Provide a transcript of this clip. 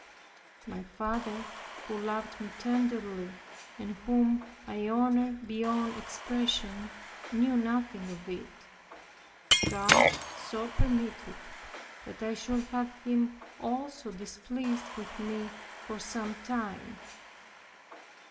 My father, who loved me tenderly, and whom I honored beyond expression, knew nothing of it. God so permitted it, that I should have him also displeased with me for some time.